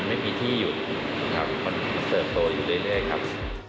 มันไม่มีที่อยู่มันเสิร์ฟโตอยู่เลยได้ครับ